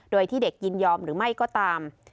โดยที่เด็กยินยอมหรือไม่ก็ตาม